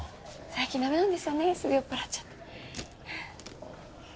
最近駄目なんですよねすぐ酔っ払っちゃって。